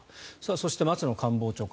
そして、松野官房長官。